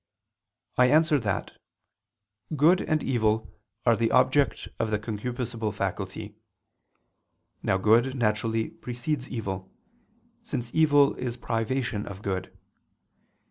I answer that, Good and evil are the object of the concupiscible faculty. Now good naturally precedes evil; since evil is privation of good.